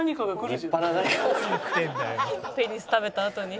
ペニス食べたあとに。